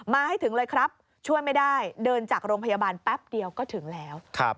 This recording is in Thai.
มาให้ถึงเลยครับช่วยไม่ได้เดินจากโรงพยาบาลแป๊บเดียวก็ถึงแล้ว